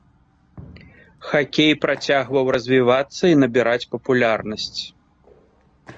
Хакей працягваў развівацца і набіраць папулярнасць.